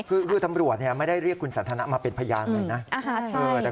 คือตำรวจไม่ได้เรียกคุณสันทนะมาเป็นพยานเลยนะ